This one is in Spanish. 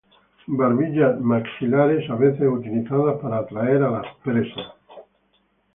Barbillas maxilares a veces utilizadas para atraer a las presas.